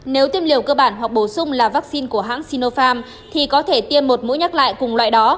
nếu tiêm liều cơ bản hoặc bổ sung là vaccine của hãng sinopharm thì có thể tiêm một mũi nhắc lại cùng loại đó